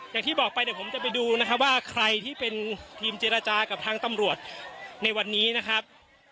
อย่างที่บอกไปเดี๋ยวผมจะไปดูนะครับว่าใครที่เป็นทีมเจรจากับทางตำรวจในวันนี้นะครับ